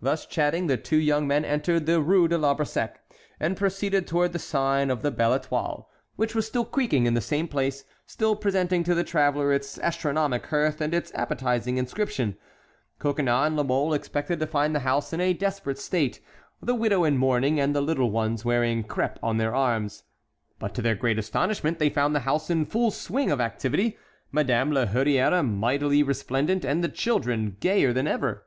Thus chatting, the two young men entered the Rue de l'Arbre Sec and proceeded toward the sign of the Belle Étoile, which was still creaking in the same place, still presenting to the traveller its astronomic hearth and its appetizing inscription. Coconnas and La Mole expected to find the house in a desperate state, the widow in mourning, and the little ones wearing crêpe on their arms; but to their great astonishment they found the house in full swing of activity, Madame La Hurière mightily resplendent, and the children gayer than ever.